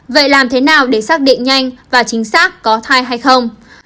vậy làm thế nào để xác định nhanh và chính xác có thai hay không